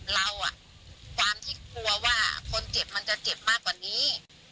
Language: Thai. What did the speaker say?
เราความที่กลัวว่าคนเจ็บมันจะเจ็บมากกว่านี้